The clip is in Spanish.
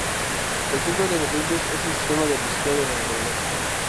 El ciclo de nutrientes es el sistema de reciclado de la naturaleza.